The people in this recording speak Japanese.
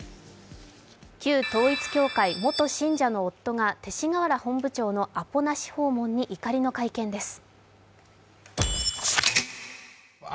旧統一教会元信者の夫が勅使河原本部長のアポなし訪問に怒りの会見です。